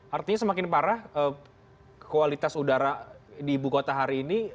artinya semakin parah kualitas udara di ibu kota hari ini